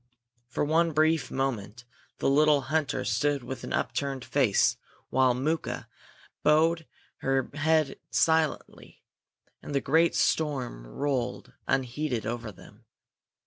For one brief moment the little hunter stood with upturned face, while Mooka bowed her head silently, and the great storm rolled unheeded over them.